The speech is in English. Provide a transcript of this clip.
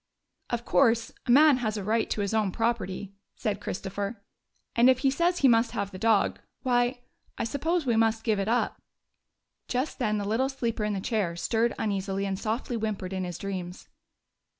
''Of course, a man has a right to his own property," said Christopher, " and if he says he must have the dog, why, I suppose, we must give it up." Just then the little sleeper in the chair stirred uneasily and softly whimpered in his dreams.